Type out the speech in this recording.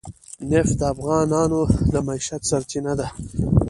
نفت د افغانانو د معیشت سرچینه ده.